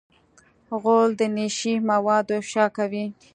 غول د نشې مواد افشا کوي.